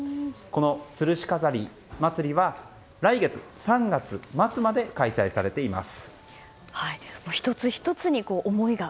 つるし飾りまつりは来月３月末まで開催されています。